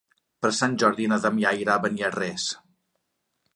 Per Sant Jordi na Damià irà a Beniarrés.